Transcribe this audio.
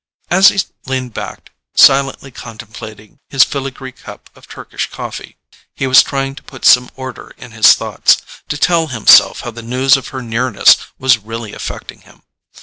As he leaned back, silently contemplating his filigree cup of Turkish coffee, he was trying to put some order in his thoughts, to tell himself how the news of her nearness was really affecting him.